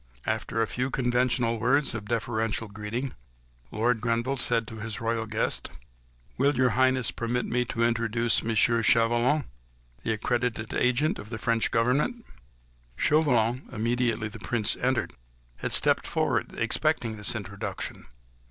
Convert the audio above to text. After the few conventional words of deferential greeting, Lord Grenville said to his royal guest,— "Will your Highness permit me to introduce M. Chauvelin, the accredited agent of the French Government?" Chauvelin, immediately the Prince entered, had stepped forward, expecting this introduction.